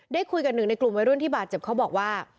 คุยกับหนึ่งในกลุ่มวัยรุ่นที่บาดเจ็บเขาบอกว่า